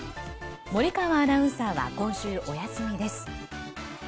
森川アナウンサーは今週、お休みです。